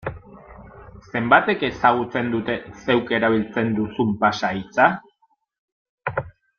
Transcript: Zenbatek ezagutzen dute zeuk erabiltzen duzun pasahitza?